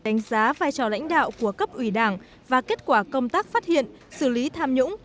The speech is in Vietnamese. đánh giá vai trò lãnh đạo của cấp ủy đảng và kết quả công tác phát hiện xử lý tham nhũng